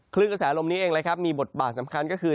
คลื่นกระแสลมนี้เองเลยครับมีบทบาทสำคัญก็คือ